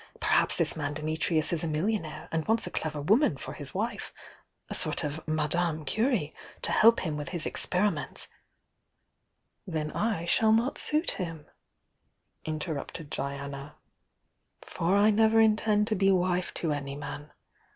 — perhaps this man Dimitrius is a millionaire and wants a clever woman for his wife— a sort of Madame Curie to help him with his experiments " "Then I shall not suit him," interrupted Diana, "for I never intend to be wife to any man.